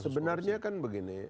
sebenarnya kan begini